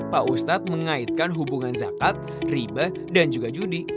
pak ustadz mengaitkan hubungan zakat ribe dan juga judi